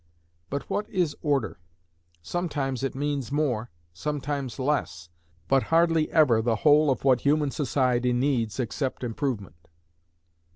But what is Order? Sometimes it means more, sometimes less, but hardly ever the whole of what human society needs except improvement.